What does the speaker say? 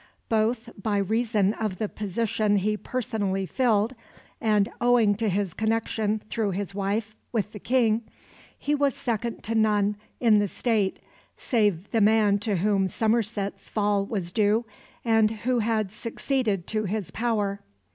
Both by reason of the position he personally filled, and owing to his connection, through his wife, with the King, he was second to none in the State save the man to whom Somerset's fall was due and who had succeeded to his power.